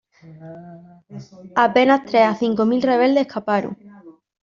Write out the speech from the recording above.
Apenas tres a cinco mil rebeldes escaparon.